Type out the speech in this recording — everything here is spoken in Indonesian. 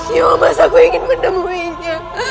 ya allah masa aku ingin menemuinya